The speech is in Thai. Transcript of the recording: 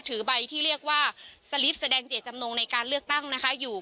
ถือใบที่เรียกว่าสลิปแสดงเจตจำนงในการเลือกตั้งนะคะอยู่